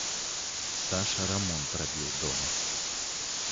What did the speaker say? Саша рамонт рабіў дома.